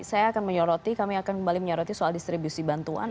saya akan menyoroti kami akan kembali menyoroti soal distribusi bantuan